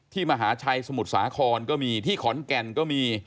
มหาชัยสมุทรสาครก็มีที่ขอนแก่นก็มี